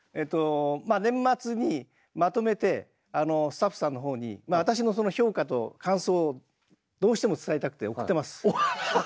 まあ年末にまとめてスタッフさんのほうに私の評価と感想をどうしても伝えたくて送っています。